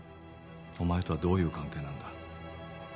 お前とはどういう関係なんだ？